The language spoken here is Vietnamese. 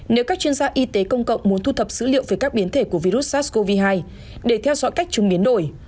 nếu các chuyên gia y tế công cộng muốn thu thập dữ liệu về các biến thể của virus sars cov hai để theo dõi cách chúng biến đổi